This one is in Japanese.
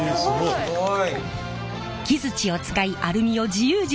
すごい。